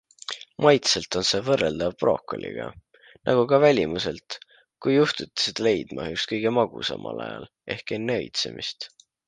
Maitselt on see võrreldav brokoliga - nagu ka välimuselt, kui juhtute seda leidma just kõige magusamal ajal ehk enne õitsemist.